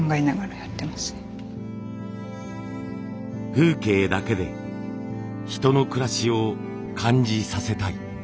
風景だけで人の暮らしを感じさせたい。